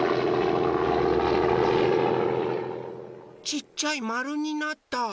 ちっちゃいまるになった。